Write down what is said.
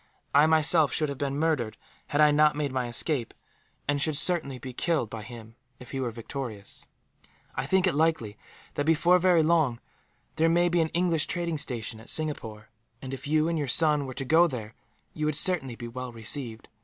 I, myself, should have been murdered, had I not made my escape; and should certainly be killed by him, if he were victorious. "I think it likely that, before very long, there may be an English trading station at Singapore and, if you and your son were to go there, you would certainly be well received.